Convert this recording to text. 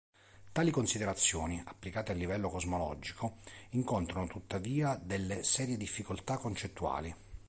Tali considerazioni, applicate a livello cosmologico, incontrano tuttavia delle serie difficoltà concettuali.